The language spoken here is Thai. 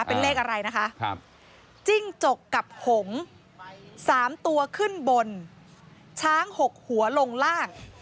เป็นเลขอะไรนะคะจิ้งจกกับหง๓ตัวขึ้นบนช้าง๖หัวลงล่าง